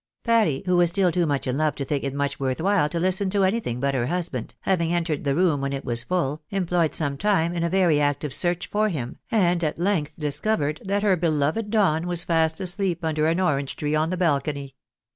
Patty, who was still too much in love to think it much worth while to hsten to anything but her husband, having entered the room when it was full, employed some time in a very active search for him, and at length discovered that her beloved Don was fast I 2 132 THE BAU^^ABYS IX AMEEICA. asleep under an orange tree on the balcony.